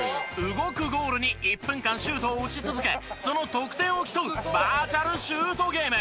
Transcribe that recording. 動くゴールに１分間シュートを打ち続けその得点を競うバーチャル・シュートゲーム。